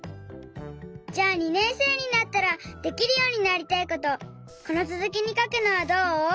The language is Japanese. じゃあ２年生になったらできるようになりたいことこのつづきにかくのはどう？